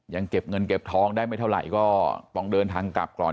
ยังเก็บเงินเก็บทองได้ไม่เท่าไหร่ก็ต้องเดินทางกลับก่อน